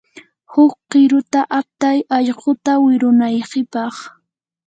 huk qiruta aptay allquta wirunaykipaq.